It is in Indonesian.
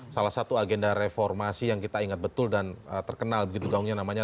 salah satu agenda reformasi yang kita ingat betul dan terkenal begitu gaungnya namanya